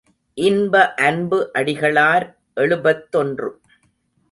இன்ப அன்பு அடிகளார் எழுபத்தொன்று.